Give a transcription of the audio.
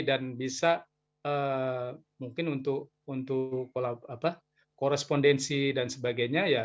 dan bisa mungkin untuk korespondensi dan sebagainya